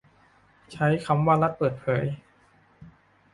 ใช้คำว่ารัฐเปิดเผย